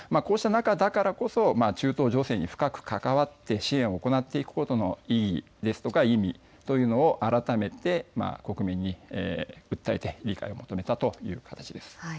こうした中だからこそ中東情勢に深く関わって支援を行っていくことの意義ですとか意味というのを改めて国民に訴えて理解を求めたという形です。